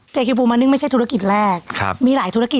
เจ๊คี่พูมั้ยนึกไม่ใช่ธุรกิจแรกอ่ะค่ะ